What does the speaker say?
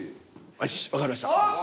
よしわかりました。